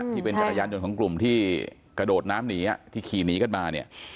ที่เป็นจัดยานยนต์ของกลุ่มที่กระโดดน้ำหนีที่ขี่หนีกันมา